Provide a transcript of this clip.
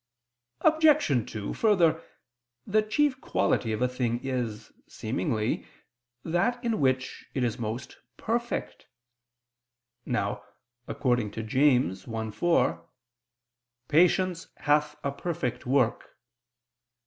Obj. 2: Further, the chief quality of a thing is, seemingly, that in which it is most perfect. Now, according to Jam. 1:4, "Patience hath a perfect work."